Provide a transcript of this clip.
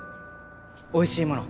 おいしいもの